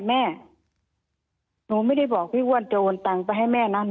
แม่หนูไม่ได้บอกพี่อ้วนจะโอนตังไปให้แม่นั้น